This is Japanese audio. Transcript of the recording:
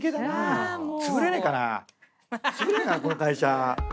つぶれねえかなこの会社。